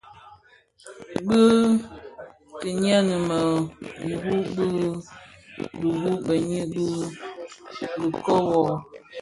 Bi kinyèn-më iru bi duru beyin di dhikob wuō,